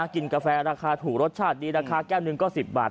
กินกาแฟราคาถูกรสชาติดีราคาแก้วหนึ่งก็๑๐บาท